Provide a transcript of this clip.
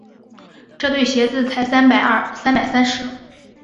这对鞋子才三百三十。